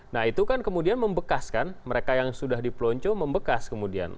nah itu kan kemudian membekaskan mereka yang sudah dipelonco membekas kemudian